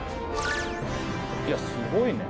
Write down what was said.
いやすごいね。